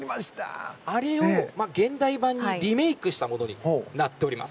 あれを現代版にリメイクしたものになっています。